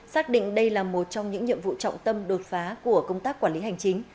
xác định đây là một trong những nhiệm vụ trọng tâm đột phá của công tác quản lý hành chính